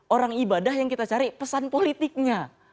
orang ibadah yang kita cari pesan politiknya